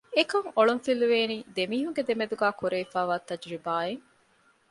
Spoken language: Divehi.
އެކަން އޮޅުން ފިލުވޭނީ ދެމީހުންގެ ދެމެދުގައި ކުރެވިފައިވާ ތަޖުރިބާއިން